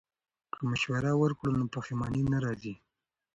که مشوره وکړو نو پښیماني نه راځي.